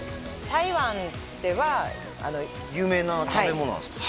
台湾では有名な食べ物なんすか？